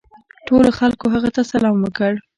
ټولو خلکو هغه ته سلام وکړ.